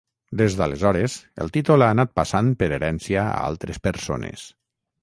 Des d'aleshores el títol ha anat passant per herència a altres persones.